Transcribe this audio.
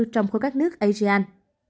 trong khối các nước asean